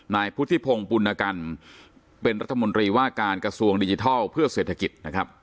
นายพุทธิพงศ์ปุณกันเป็นรัฐมนตรีว่าการกระทรวงดิจิทัลเพื่อเศรษฐกิจนะครับ